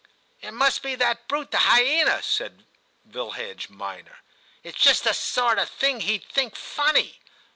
' It must be that brute the hyena,' said VilHdge minor. ' It's just the sort of thing he'd think funny.'